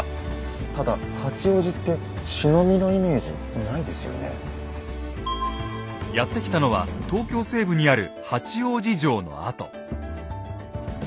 ただやって来たのは東京西部にある八王子城の跡。